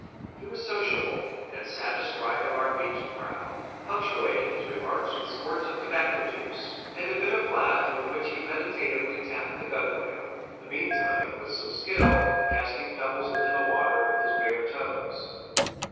He was sociable, and sat astride of our beached prow, punctuating his remarks with squirts of tobacco juice, and a bit of lath with which he meditatively tapped the gunwale, the meantime, with some skill, casting pebbles into the water with his bare toes.